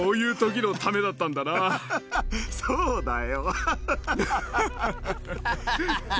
そうだよ。